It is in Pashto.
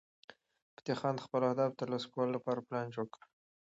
فتح خان د خپلو اهدافو د ترلاسه کولو لپاره پلان جوړ کړ.